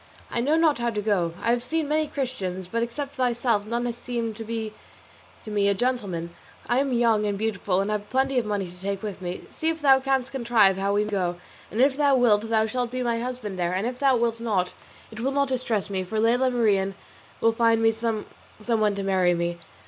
I know not how to go. I have seen many Christians, but except thyself none has seemed to me to be a gentleman. I am young and beautiful, and have plenty of money to take with me. See if thou canst contrive how we may go, and if thou wilt thou shalt be my husband there, and if thou wilt not it will not distress me, for Lela Marien will find me some one to marry me.